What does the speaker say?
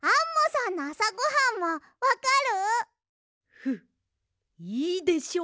フッいいでしょう！